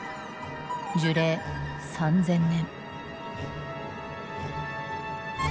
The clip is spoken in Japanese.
樹齢３，０００年。